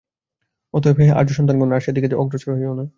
অতএব হে আর্যসন্তানগণ, আর সে-দিকে অগ্রসর হইও না।